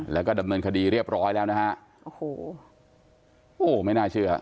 แล้วก็ดำเนินคดีเรียบร้อยแล้วนะฮะโอ้โหไม่น่าเชื่อ